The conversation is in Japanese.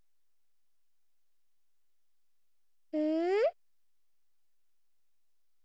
うん？